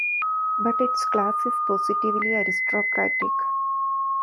But its class is positively aristocratic.